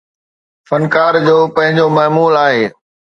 فنڪار جو پنهنجو معمول آهي